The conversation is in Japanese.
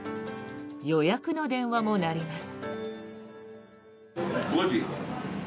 予約の電話も鳴ります。